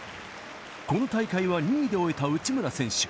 この大会は２位で終えた内村選手。